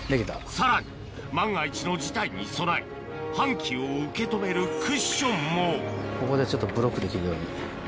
さらに万が一の事態に備え搬器を受け止めるクッションもここでちょっとブロックできるように。